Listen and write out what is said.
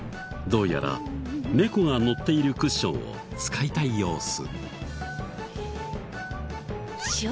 どうやら猫がのっているクッションを使いたい様子。